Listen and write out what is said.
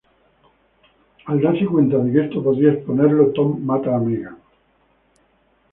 Al darse cuenta de que esto podría exponerlo, Tom mata a Megan.